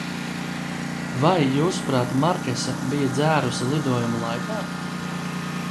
Vai, jūsuprāt, Markesa bija dzērusi lidojuma laikā?